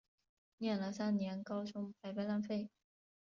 念了三年高中白白浪费